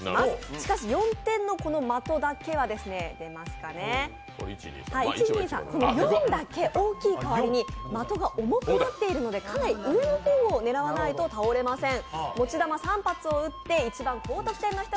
しかし４点の的だけは大きい代わりに的が重くなっているので、かなり上の方を狙わないと倒れません。